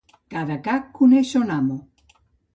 Cada ca coneix son amo.